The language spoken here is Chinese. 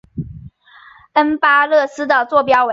恩巴勒斯的座标为。